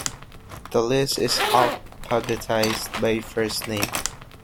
The list is alphabetized by first name.